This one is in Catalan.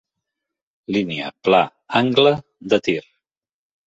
Línia, pla, angle, de tir.